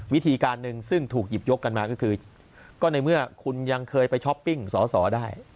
วิธีการหนึ่งซึ่งถูกหยิบยกกันมาก็คือก็ในเมื่อคุณยังเคยไปช้อปปิ้งสอสอได้